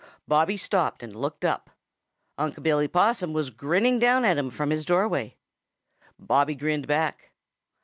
Bobby stopped and looked up. Unc' Billy Possum was grinning down at him from his doorway. Bobby grinned back.